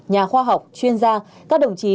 nhà khoa học chuyên gia các đồng chí